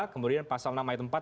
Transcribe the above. kemudian pasal enam ayat empat